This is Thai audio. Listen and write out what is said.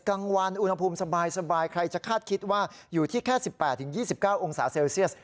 กลางวันอุณหภูมิสบายใครจะคาดคิดว่าอยู่ที่แค่สิบแปดถึงยี่สิบเก้าองศาเซลเซียส